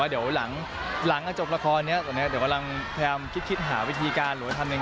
แล้วหลังจบละครเดี๋ยวพยายามคิดหาวิธีการ